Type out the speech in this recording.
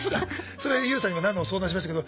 それはＹＯＵさんには何度も相談しましたけど